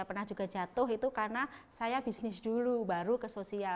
pernah juga jatuh itu karena saya bisnis dulu baru ke sosial